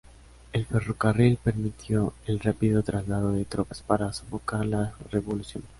El ferrocarril permitió el rápido traslado de tropas, para sofocar las revoluciones.